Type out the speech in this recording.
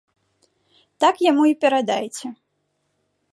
Так яму і перадайце.